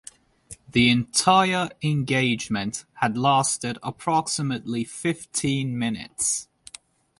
The entire engagement had lasted approximately fifteen minutes.